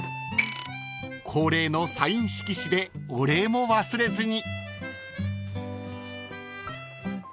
［恒例のサイン色紙でお礼も忘れずに］